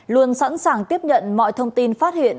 luôn sẵn sàng tiếp nhận mọi thông tin phát hiện